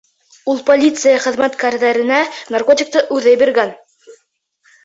Ул полиция хеҙмәткәрҙәренә наркотикты үҙе биргән.